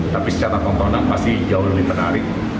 tapi secara komponen pasti jauh lebih menarik